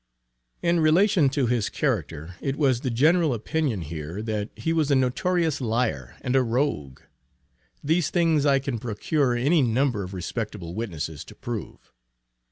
In relation to his character, it was the general opinion here that he was a notorious liar, and a rogue. These things I can procure any number of respectable witnesses to prove.